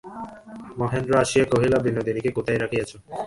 মহেন্দ্র আসিয়া কহিল, বিনোদিনীকে কোথায় রাখিয়াছ।